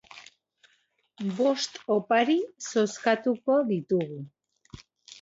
Bost opari zozkatuko ditugu.